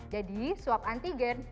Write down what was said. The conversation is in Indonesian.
jadi swap antigen